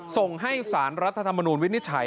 ส่งให้สารรัฐธรรมนูลวินิจฉัย